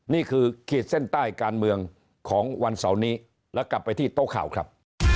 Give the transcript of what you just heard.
ขีดเส้นใต้การเมืองของวันเสาร์นี้แล้วกลับไปที่โต๊ะข่าวครับ